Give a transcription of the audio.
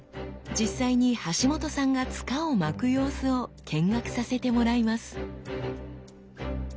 実際に橋本さんが柄を巻く様子を見学させてもらいます。